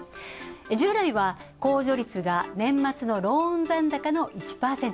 従来は控除率が年末のローン残高の１％。